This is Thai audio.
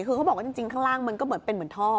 คือเขาบอกว่าจริงข้างล่างมันก็เหมือนเป็นเหมือนท่อ